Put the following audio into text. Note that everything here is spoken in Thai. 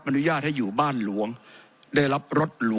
ผมจะขออนุญาตให้ท่านอาจารย์วิทยุซึ่งรู้เรื่องกฎหมายดีเป็นผู้ชี้แจงนะครับ